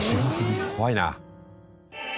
怖いな。